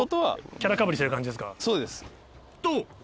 キャラかぶりしてる感じですそうです。と！